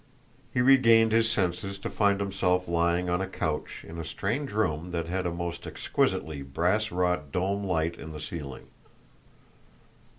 He regained his senses to find himself lying on a couch in a strange room that had a most exquisitely brass wrought dome light in the ceiling.